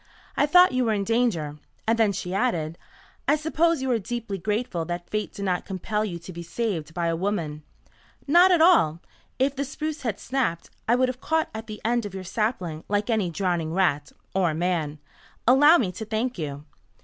"I thought you were in danger." And then she added, "I suppose you are deeply grateful that fate did not compel you to be saved by a woman." "Not at all. If the spruce had snapped, I would have caught at the end of your sapling like any drowning rat or man. Allow me to thank you."